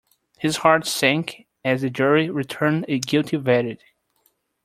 His heart sank as the jury returned a guilty verdict.